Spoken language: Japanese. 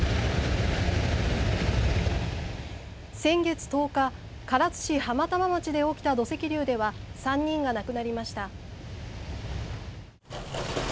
先月１０日唐津市浜玉町で起きた土石流では３人が亡くなりました。